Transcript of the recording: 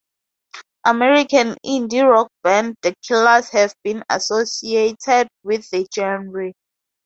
American indie rock band the Killers have been associated with the genre.